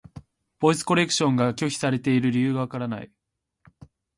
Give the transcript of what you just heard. ボイスコレクションが拒否されている理由がわからない。